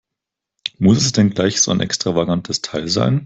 Muss es denn gleich so ein extravagantes Teil sein?